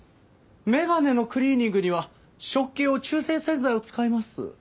眼鏡のクリーニングには食器用中性洗剤を使います。